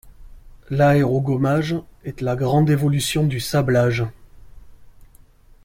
L’aérogommage est la grande évolution du sablage.